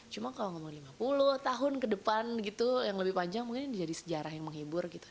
cuma kalau ngomong lima puluh tahun ke depan gitu yang lebih panjang mungkin ini jadi sejarah yang menghibur gitu